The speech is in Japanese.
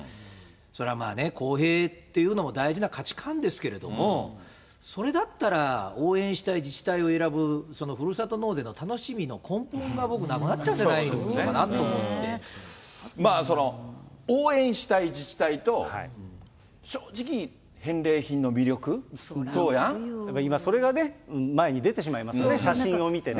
それはまあね、公平っていうのも大事な価値観ですけれども、それだったら、応援したい自治体を選ぶ、そのふるさと納税の楽しみの根本が僕、なくなっちゃうかなと思っ応援したい自治体と、正直、返礼品の魅力、今ね、それがね、前に出てしまいますもんね、写真を見てね。